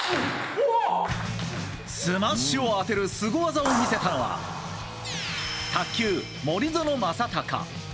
スマッシュを当てるスゴ技を見せたのは卓球、森薗政崇。